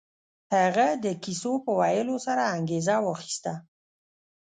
هغه د کيسو په ويلو سره انګېزه واخيسته.